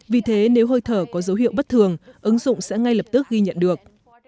vì thế nếu hơi thở có dấu hiệu bất thường ứng dụng sẽ ngay lập tức ghi nhận được